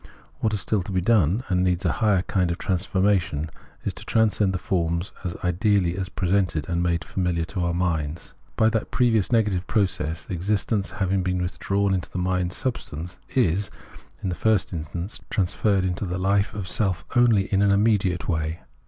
"What is still to be done and needs a higher kind of transfor::iation, is to transcend the forms as ideally presented and made familiar to our minds. By that previous negative process, : existence, having been withdrawn into the mind's sub ~ stance, is, in the first instance, transferred to the life Preface 29 of self only in an immediate way.